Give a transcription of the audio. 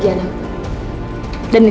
kita harus mencari kebenaran